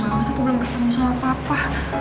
sayang banget aku belum ketemu sama papa